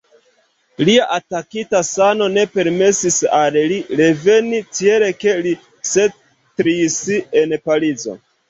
Lia atakita sano ne permesis al li reveni, tiel ke li setlis en Parizo.